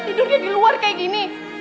tidurnya di luar kayak gini